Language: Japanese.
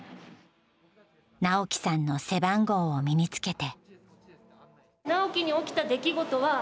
直樹さんの背番号を身につけて。